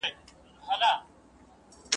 رېزمرېز به یې پر مځکه وي هډونه ..